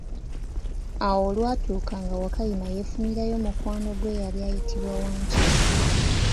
Awo olwatuuka nga Wakayima yefunirayo mukwano gwe eyali ayitibwa Wankima.